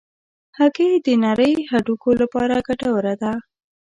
هګۍ د نرۍ هډوکو لپاره ګټوره ده.